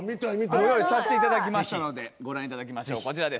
ご用意させていただきましたのでご覧いただきましょうこちらです。